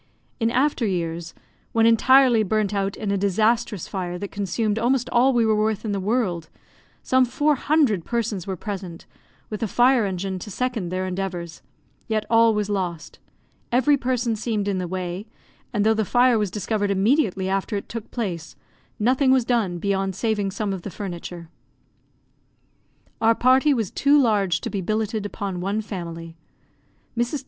In after years, when entirely burnt out in a disastrous fire that consumed almost all we were worth in the world, some four hundred persons were present, with a fire engine to second their endeavours, yet all was lost. Every person seemed in the way; and though the fire was discovered immediately after it took place, nothing was done beyond saving some of the furniture. Our party was too large to be billetted upon one family. Mrs.